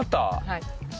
はい。